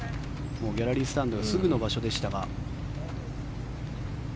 ギャラリースタンドがすぐの場所でしたが。